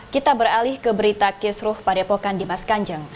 kita beralih ke berita kesruh pada epokan dimas kanjeng